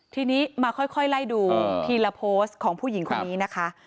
ทีนี้มาค่อยไล่ดูทีละโพสต์ของผู้หญิงคนนี้นะคะ